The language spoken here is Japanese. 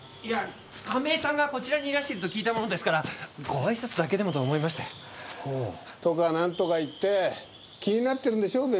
いや亀井さんがこちらにいらしていると聞いたものですからごあいさつだけでもと思いまして。とかなんとか言って気になってるんでしょ？